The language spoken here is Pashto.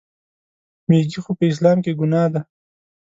میږي خو په اسلام کې ګناه ده.